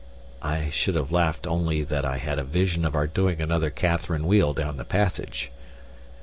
I should have laughed only that I had a vision of our doing another Catharine wheel down the passage.